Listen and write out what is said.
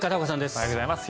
おはようございます。